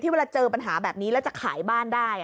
เวลาเจอปัญหาแบบนี้แล้วจะขายบ้านได้